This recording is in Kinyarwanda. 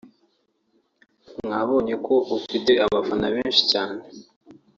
mwabonye ko afite abafana benshi cyane